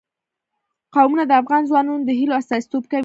قومونه د افغان ځوانانو د هیلو استازیتوب کوي.